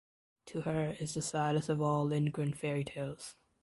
To her is the saddest of all Lindgren fairy tales.